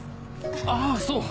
あっそう！